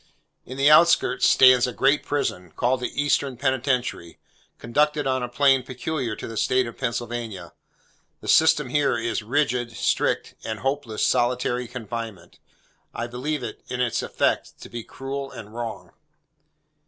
In the outskirts, stands a great prison, called the Eastern Penitentiary: conducted on a plan peculiar to the state of Pennsylvania. The system here, is rigid, strict, and hopeless solitary confinement. I believe it, in its effects, to be cruel and wrong.